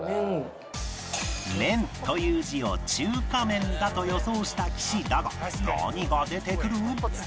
「面」という字を中華麺だと予想した岸だが何が出てくる？